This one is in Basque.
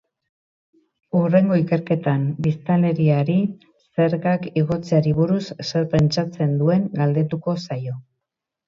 Hurrengo ikerketan biztanleriari zergak igotzeari buruz zer pentsatzen duen galdetuko zaio.